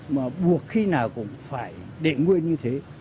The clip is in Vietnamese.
mà buộc khi nào cũng phải để nguyên như thế này